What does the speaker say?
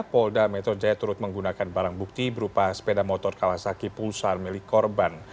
polda metro jaya turut menggunakan barang bukti berupa sepeda motor kawasaki pulsa milik korban